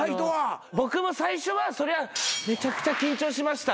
僕も最初はそりゃめちゃくちゃ緊張しました。